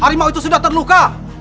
harimau itu sudah terluka